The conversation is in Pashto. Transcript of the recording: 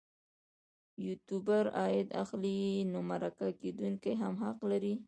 یوټوبر عاید اخلي نو مرکه کېدونکی هم حق لري.